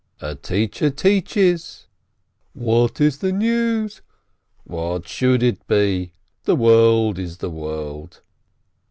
— "A teacher teaches !"— "What is the news?"— "What should it be? The world is the world